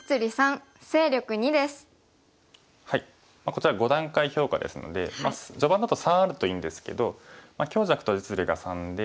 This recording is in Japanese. こちら５段階評価ですので序盤だと３あるといいんですけど強弱と実利が３で。